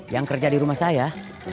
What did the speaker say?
yang kerja di rumah saya